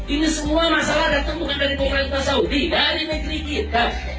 ini semua masalah datang bukan dari pemerintah saudi dari negeri kita